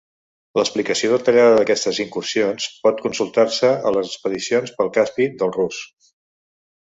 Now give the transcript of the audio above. L'explicació detallada d'aquestes incursions pot consultar-se a les expedicions pel Caspi dels Rus'.